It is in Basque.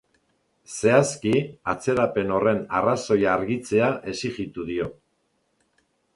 Zehazki, atzerapen horren arrazoia argitzea exijitu dio.